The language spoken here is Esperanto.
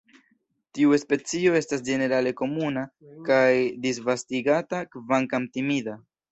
Tiu specio estas ĝenerale komuna kaj disvastigata, kvankam timida.